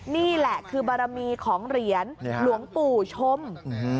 นี่แหละคือบารมีของเหรียญหลวงปู่ชม